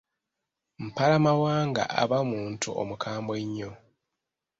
Mpalamawanga aba muntu omukambwe ennyo.